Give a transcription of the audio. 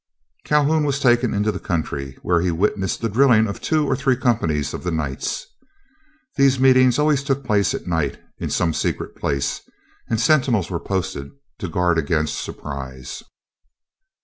Calhoun was taken into the country, where he witnessed the drilling of two or three companies of Knights. These meetings always took place at night, in some secret place, and sentinels were posted to guard against surprise.